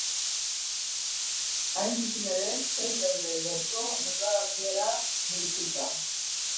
Hain zuzen ere, sei daude gaurko deklaratzea deituta.